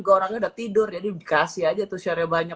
orangnya udah tidur jadi dikasih aja tuh sharenya banyak